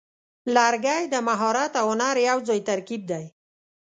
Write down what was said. لرګی د مهارت او هنر یوځای ترکیب دی.